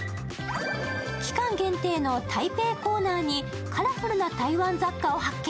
期間限定の台北コーナーにカラフルな台湾雑貨を発見。